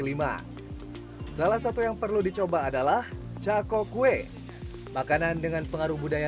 lima salah satu yang perlu dicoba adalah cako kue makanan dengan pengaruh budaya